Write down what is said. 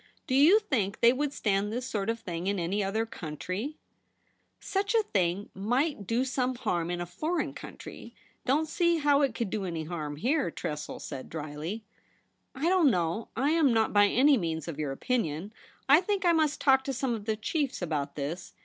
Do you think they would stand this sort of thing in any other country ?'' Such a thing might do some harm in a foreign country ; don't see how it could do any harm here,' Tressel said drily. ' I don't know. I am not by any means of your opinion. I think I must talk to some of the chiefs about this.